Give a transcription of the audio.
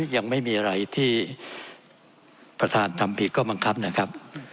ยังไม่มีอะไรที่ประธานทำผิดก็บังคับนะครับ